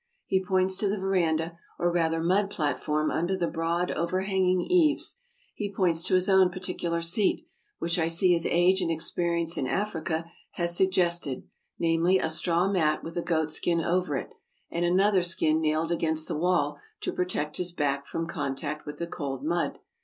He points to the veranda, or rather mud platform under the broad, overhanging eaves; he points to his own particular seat, which I see his age and experience in Africa has sug gested— namely, a straw mat, with a goatskin over it, and another skin nailed against the wall to protect his back from contact with the cold mud.